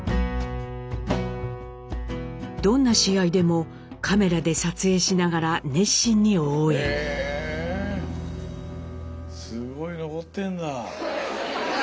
どんな試合でもカメラで撮影しながら熱心に応援。へすごい残ってんだ。